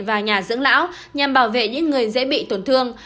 và nhà dưỡng lão nhằm bảo vệ những người dễ bị tổn thương